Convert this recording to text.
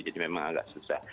jadi memang agak susah